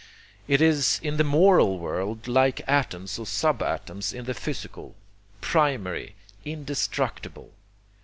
It is in the moral world like atoms or sub atoms in the physical, primary, indestructible.